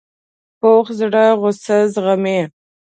پوخ زړه غصه زغمي